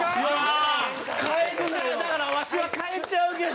だからわしは変えちゃうけど。